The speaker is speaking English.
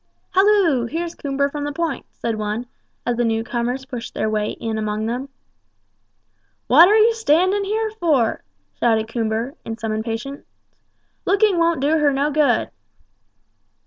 "Halloo! here's Coomber from the Point," said one, as the new comers pushed their way in among them. "What are yer standing here for?" shouted Coomber, in some impatience; "looking won't do her no good."